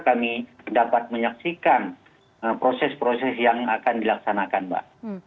kami dapat menyaksikan proses proses yang akan dilaksanakan mbak